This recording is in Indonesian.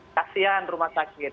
kasihan rumah sakit